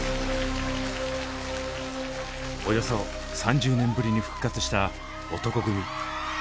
およそ３０年ぶりに復活した男闘呼組。